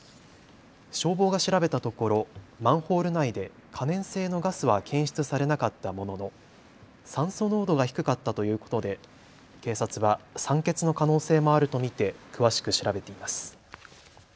消防が調べたところマンホール内で可燃性のガスは検出されなかったものの酸素濃度が低かったということで警察は酸欠の可能性もあると見て詳しく調べています。